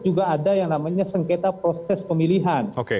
juga ada yang namanya sengketa proses pemilihan